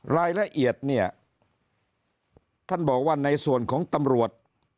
รายละเอียดเนี่ยท่านบอกว่าในส่วนของตำรวจ